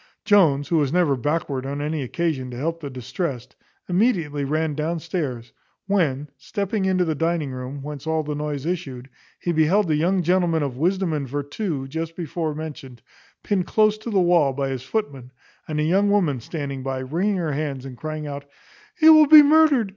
Jones, who was never backward on any occasion to help the distressed, immediately ran down stairs; when stepping into the dining room, whence all the noise issued, he beheld the young gentleman of wisdom and vertù just before mentioned, pinned close to the wall by his footman, and a young woman standing by, wringing her hands, and crying out, "He will be murdered!